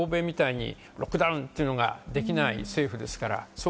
欧米みたいにロックダウンっていうのができない政府ですから。